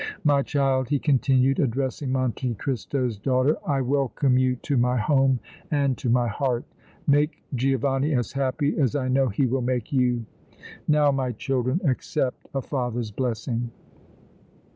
My child," he continued, addressing Monte Cristo's daughter, "I welcome you to my home and to my heart! Make Giovanni as happy as I know he will make you! Now, my children, accept a father's blessing!"